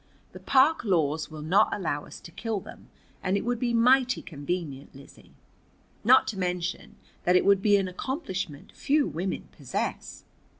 The park laws will not allow us to kill them, and it would be mighty convenient, Lizzie. Not to mention that it would be an accomplishment few women possess."